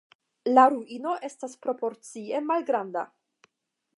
La ruino estas proporcie malgranda.